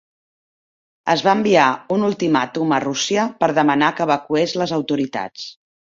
Es va enviar un ultimàtum a Rússia per demanar que evacués les autoritats.